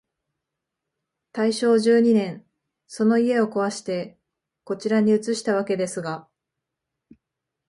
大正十二年、その家をこわして、こちらに移したわけですが、